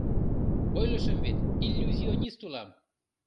— Ойлышым вет, иллюзионист улам.